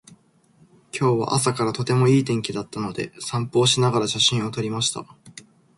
今日は朝からとてもいい天気だったので、散歩をしながら写真を撮りました。